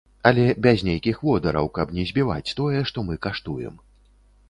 Але без нейкіх водараў, каб не збіваць тое, што мы каштуем.